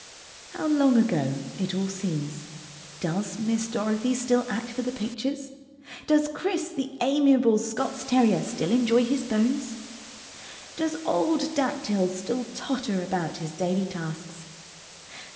How long ago it all seems. Does Miss Dorothy still act for the pictures? Does Chris, the amiable Scots terrier, still enjoy his bones? Does old Dactyl still totter about his daily tasks?